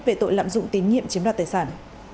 về tội lạm dụng tín nhiệm chiếm đoạt tài sản